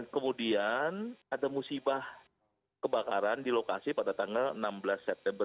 kemudian ada musibah kebakaran di lokasi pada tanggal enam belas september dua ribu sembilan belas